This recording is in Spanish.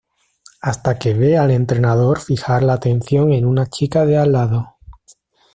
Hasta que ve al entrenador fijar la atención en una chica de al lado.